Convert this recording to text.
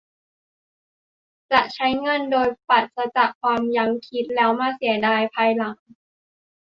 จะใช้เงินโดยปราศจากความยั้งคิดแล้วมาเสียดายภายหลัง